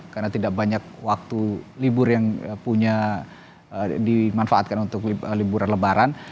karena tidak banyak waktu libur yang dimanfaatkan untuk liburan lebaran